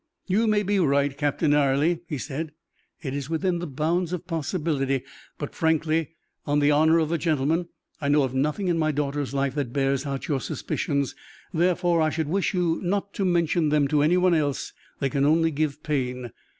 "You may be right, Captain Ayrley," he said; "it is within the bounds of possibility. But, frankly, on the honor of a gentleman, I know of nothing in my daughter's life that bears out your suspicions; therefore I should wish you not to mention them to any one else; they can only give pain.